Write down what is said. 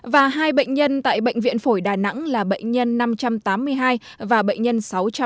và hai bệnh nhân tại bệnh viện phổi đà nẵng là bệnh nhân năm trăm tám mươi hai và bệnh nhân sáu trăm bảy mươi